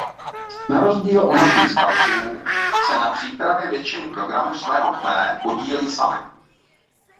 Na rozdíl od mladších skautů se na přípravě většiny programu svého kmene podílí sami.